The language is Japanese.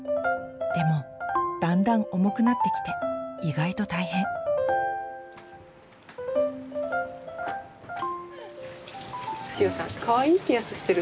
でもだんだん重くなってきて意外と大変千代さんえ？